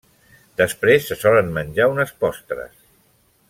Després, se solen menjar unes postres.